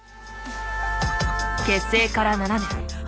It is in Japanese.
結成から７年。